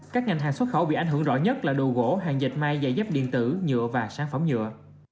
các ngành hàng xuất khẩu bị ảnh hưởng rõ nhất là đồ gỗ hàng dệt may dạy dắp điện tử nhựa và sản phẩm nhựa